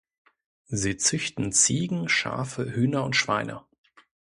Sie züchten Ziegen, Schafe, Hühner und Schweine.